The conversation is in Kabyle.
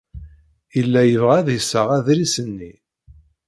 Yella yebɣa ad d-iseɣ adlis-nni.